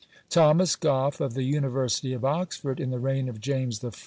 Thomas Goff, of the university of Oxford, in the reign of James I.